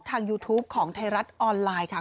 ยูทูปของไทยรัฐออนไลน์ค่ะ